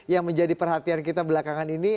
yang menjadi perhatian kita belakangan ini